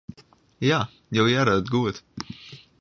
Ja, jo hearre it goed.